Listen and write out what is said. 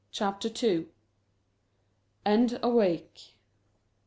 CHAPTER II. AND AWAKE.